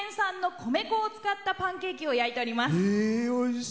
富山県産の米粉を使ったパンケーキを焼いております。